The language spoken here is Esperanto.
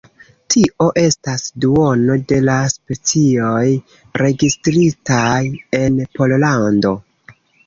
Tio estas duono de la specioj registritaj en Pollando.